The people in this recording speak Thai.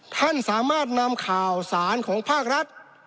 ท่านสามารถนำข่าวสารของภาครัฐ